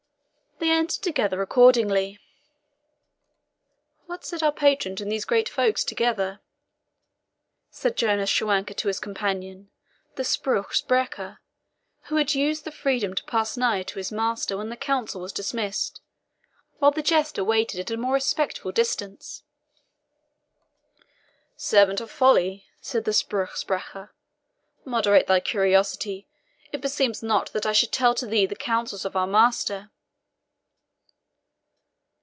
They entered together accordingly. "What said our patron and these great folks together?" said Jonas Schwanker to his companion, the SPRUCH SPRECHER, who had used the freedom to press nigh to his master when the Council was dismissed, while the jester waited at a more respectful distance. "Servant of Folly," said the SPRUCH SPRECHER, "moderate thy curiosity; it beseems not that I should tell to thee the counsels of our master."